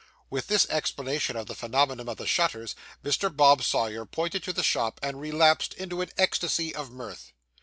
With this explanation of the phenomenon of the shutters, Mr. Bob Sawyer pointed to the shop, and relapsed into an ecstasy of mirth.